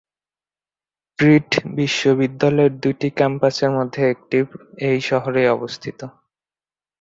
ক্রিট বিশ্ববিদ্যালয়ের দু'টি ক্যাম্পাসের মধ্যে একটি এই শহরেই অবস্থিত।